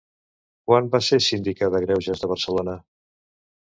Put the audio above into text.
Quan va ser síndica de greuges de Barcelona?